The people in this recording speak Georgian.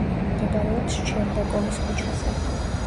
მდებარეობს შჩერბაკოვის ქუჩაზე.